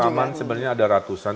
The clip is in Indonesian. taman sebenernya ada ratusan